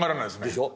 でしょ。